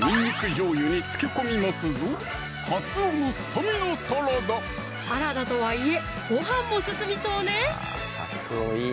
じょうゆに漬け込みますぞサラダとはいえごはんも進みそうね